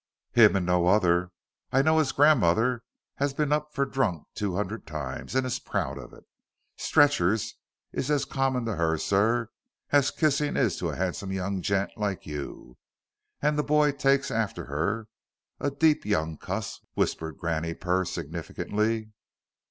"Him and none other. I knows his grandmother, as 'as bin up for drunk two hundred times, and is proud of it. Stretchers is as common to her, sir, as kissings is to a handsome young gent like you. An' the boy takes arter her. A deep young cuss," whispered Granny Purr, significantly.